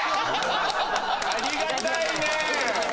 ありがたいね。